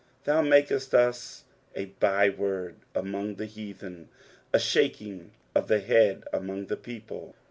14 Thou makest us a byword among the heathen, a shaking of the head among the people.